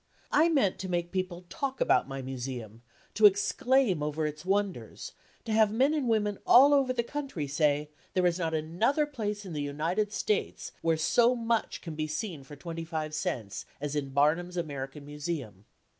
I meant to make people talk about my Museum; to exclaim over its wonders; to have men and women all over the country say: "There is not another place in the United States where so much can be seen for twenty five cents as in Barnum's American Museum."